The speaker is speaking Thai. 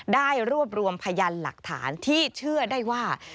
ได้รวบรวมพยานหลักฐานที่เชื่อได้ว่า